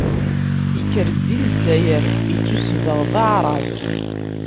Ikker-d di lezzayer, ittusbeɣ d aɛṛab.